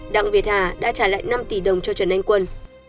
đặng việt hà đã trả lại năm tỷ đồng cho trần anh quân